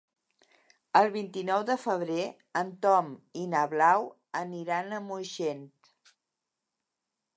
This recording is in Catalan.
El vint-i-nou de febrer en Tom i na Blau aniran a Moixent.